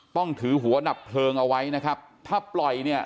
ต้องถือหัวดับเพลิงเอาไว้นะครับถ้าปล่อยเนี่ย